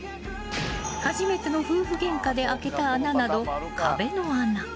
初めての夫婦ゲンカで開けた穴など、壁の穴。